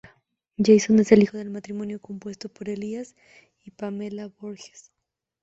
Jason es el hijo del matrimonio compuesto por Elías y Pamela Voorhees.